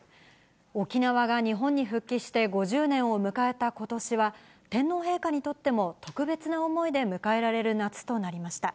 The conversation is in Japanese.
沖縄が日本に復帰して５０年を迎えたことしは、天皇陛下にとっても特別な思いで迎えられる夏となりました。